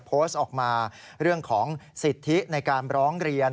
โพสต์ออกมาเรื่องของสิทธิในการร้องเรียน